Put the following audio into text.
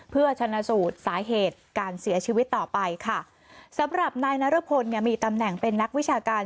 เพื่อชนะสูตรสาเหตุการเสียชีวิตต่อไปค่ะสำหรับนายนรพลเนี่ยมีตำแหน่งเป็นนักวิชาการ